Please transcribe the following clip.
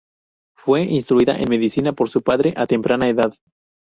Fue instruida en medicina por su padre a temprana edad.